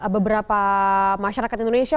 beberapa masyarakat indonesia